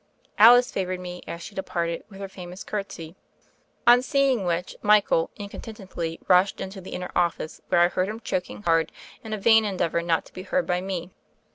Alice favored me, as she departed, with her famous curtsy; on seeing which Michael incon tinently rushed into the inner office, where I heard him choking hard in a vain endeavor not to be heard by me.